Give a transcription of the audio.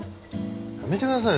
やめてください。